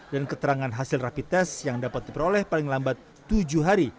dan keterangan hasil rapi tes yang dapat diperoleh paling lambat tujuh hari